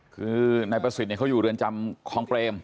คือนายประสิทธิ์เขาอยู่เรือนจำคลองเปรม